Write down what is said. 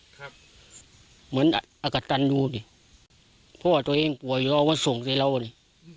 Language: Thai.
ครับเหมือนอักษรรณอยู่ดิพ่อตัวเองป่วยแล้วเขาก็ส่งใส่เราดิ